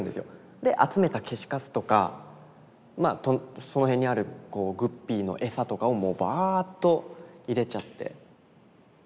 で集めた消しかすとかまあその辺にあるグッピーの餌とかをもうバーッと入れちゃって。